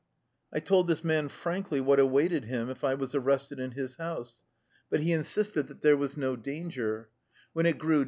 1 told this man frankly what awaited him if I was arrested in his house. But he insisted that there was no danger. When it grew dark 2 Policeman.